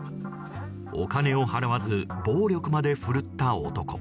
お金を払わず暴力まで振るった男。